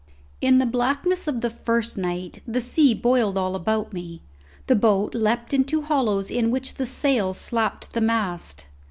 In the blackness of the first night the sea boiled all about me. The boat leapt into hollows in which the sail slapped the mast.